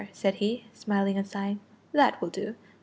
said he, smiling and sighing; "that will do.